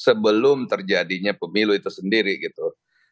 sebelum terjadinya pemilu itu sendiri gitu